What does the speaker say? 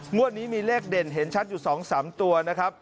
งวดนี้มีเลขเด่นเห็นชัดอยู่๒๓ตัวนะครับ